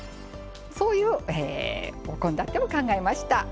そういうお献立を考えました。